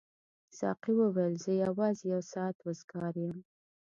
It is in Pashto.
ساقي وویل زه یوازې یو ساعت وزګار یم.